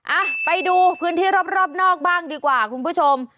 อ่ะไปดูพื้นที่รอบนอกบ้างดีกว่าคุณผู้ชม